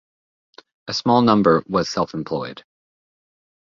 A small number was self-employed.